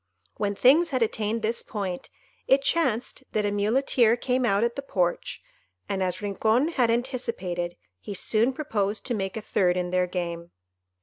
When things had attained this point, it chanced that a Muleteer came out at the porch, and, as Rincon had anticipated, he soon proposed to make a third in their game.